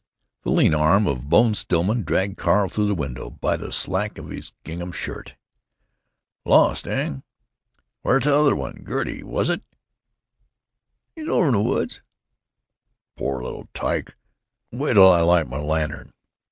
The lean arm of Bone Stillman dragged Carl through the window by the slack of his gingham waist. "Lost, heh? Where's t'other one—Gertie, was it?" "She's over in the woods." "Poor little tyke! Wait 'll I light my lantern."